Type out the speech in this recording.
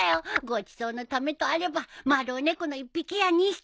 ごちそうのためとあれば丸尾猫の１匹や２匹。